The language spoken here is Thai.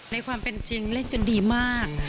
ในความเป็นจริงเล่นกันดีมาก